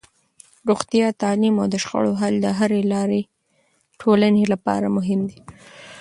روغتیا، تعلیم او د شخړو حل د هرې ټولنې لپاره مهم دي.